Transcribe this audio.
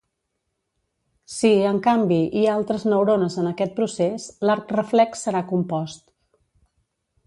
Si, en canvi, hi ha altres neurones en aquest procés, l'arc reflex serà compost.